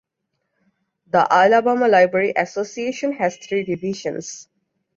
The Alabama Library Association has three divisions.